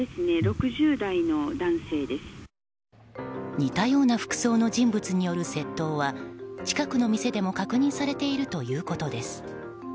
似たような服装の人物による窃盗は近くの店でも確認されているということです。